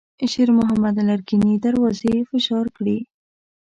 شېرمحمد لرګينې دروازې فشار کړې.